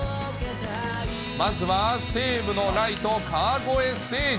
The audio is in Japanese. まずは西武のライト、川越誠司。